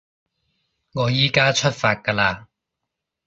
我依加出發㗎喇